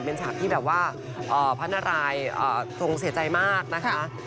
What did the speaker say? เป็นฉากที่แบบว่าพระนารายทรงเสียใจมากนะคะ